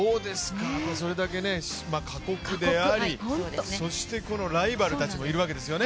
それだけ過酷であり、ライバルたちもいるわけですよね。